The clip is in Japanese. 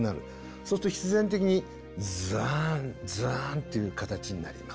そうすると必然的に「ザーンザーン」っていう形になります。